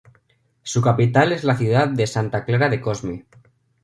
Su capital es la ciudad de Santa Clara de Cosme.